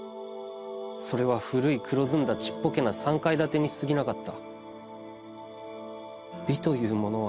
それは古い黒ずんだ小っぽけな三階建にすぎなかった」。